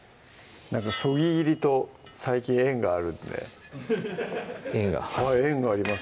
そぎ切りと最近縁があるんで縁がはい縁があります